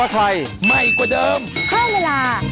บ๊ายบาย